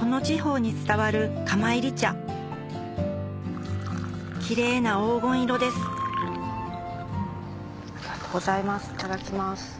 この地方に伝わるキレイな黄金色ですありがとうございますいただきます。